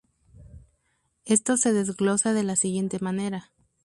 Esto se desglosa de la siguiente manera.